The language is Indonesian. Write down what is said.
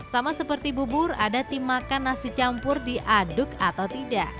sama seperti bubur ada tim makan nasi campur diaduk atau tidak